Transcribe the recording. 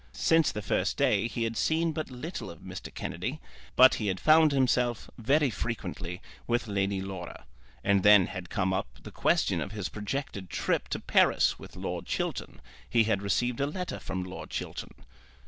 Since the first day he had seen but little of Mr. Kennedy, but he had found himself very frequently with Lady Laura. And then had come up the question of his projected trip to Paris with Lord Chiltern. He had received a letter from Lord Chiltern.